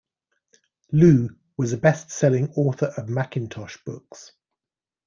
Lu was a best-selling author of Macintosh books.